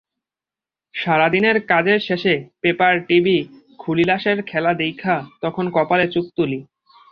সারা দিনের কাজের শেষে পেপার-টিভি খুলিলাশের খেলা দেইখা তখন কপালে চোখ তুলি।